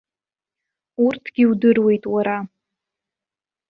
Урҭгьы удыруеит уара.